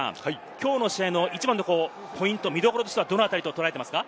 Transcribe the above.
きょうの試合の一番のポイント、見どころはどのあたりと捉えていますか？